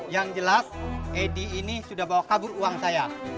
yang jelas edi ini sudah bawa kabur uang saya